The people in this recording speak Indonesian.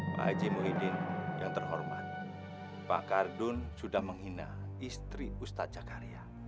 pak eji muhyiddin yang terhormat pak kardun sudah menghina istri ustaz zakaria